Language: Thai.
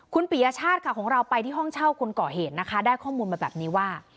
คุณปียชาติค่ะของเราไปที่ห้องเช่าคนก่อเหตุนะคะได้ข้อมูลมาแบบนี้ว่า